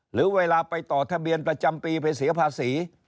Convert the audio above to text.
หรือเวลาไปต่อทะเบียนประจำปีไปเสียภาษี